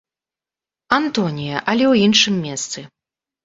Антонія, але ў іншым месцы.